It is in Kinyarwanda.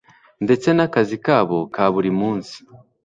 ndetse n'akazi kabo ka buri munsi.